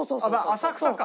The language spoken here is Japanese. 浅草か。